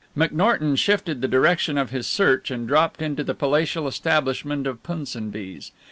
McNorton shifted the direction of his search and dropped into the palatial establishment of Punsonby's.